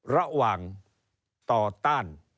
ระหว่างต่อต้าน